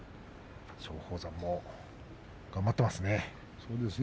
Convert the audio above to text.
松鳳山も頑張ってますね。